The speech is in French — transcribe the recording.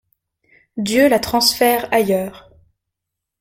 Dieu la transfère ailleurs.